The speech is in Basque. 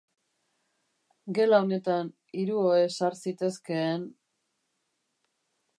Gela honetan hiru ohe sar zitezkeen...